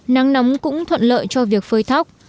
nắng nóng cũng thuận lợi cho việc phơi thóc